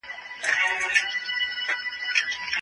هیوادونه به ټولو ته برابر حقونه ورکوي.